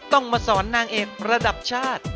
ต้องมาสอนนางเอกระดับชาติ